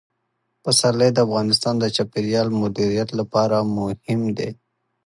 پسرلی د افغانستان د چاپیریال د مدیریت لپاره مهم دي.